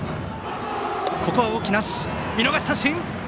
ここは動きなし、見逃し三振！